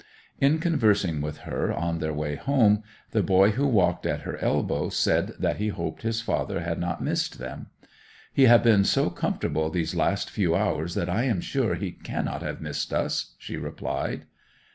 In conversing with her on their way home the boy who walked at her elbow said that he hoped his father had not missed them. 'He have been so comfortable these last few hours that I am sure he cannot have missed us,' she replied.